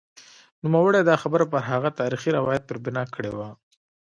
نوموړي دا خبره پر هغه تاریخي روایت پر بنا کړې وه.